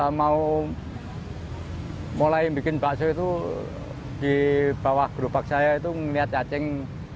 semau mulai membuat bakso itu di bawah gerobak saya itu melihat cacing satu dua tiga empat